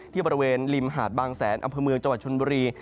ที่บริเวณริมหาดบางแสนอำเภอเมืองจังหวัดชนบุรี